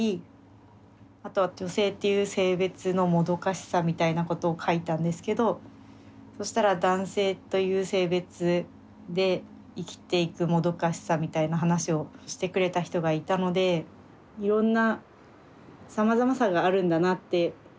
あとは女性っていう性別のもどかしさみたいなことを書いたんですけどそしたら男性という性別で生きていくもどかしさみたいな話をしてくれた人がいたのでいろんなさまざまさがあるんだなって。